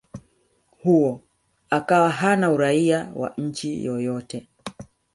huo akawa hana Uraia wa nchi yoyote